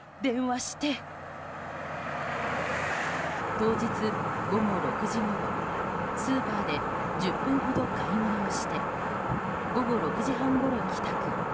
当日午後６時ごろスーパーで１０分ほど買い物をして午後６時半ごろ帰宅。